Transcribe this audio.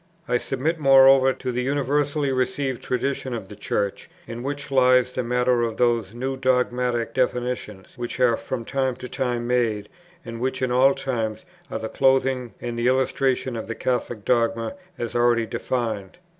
I submit, moreover, to the universally received traditions of the Church, in which lies the matter of those new dogmatic definitions which are from time to time made, and which in all times are the clothing and the illustration of the Catholic dogma as already defined.